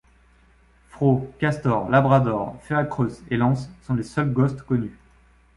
Frau, Castor, Labrador, Fea Kreuz et Lance sont les seuls Ghosts connus.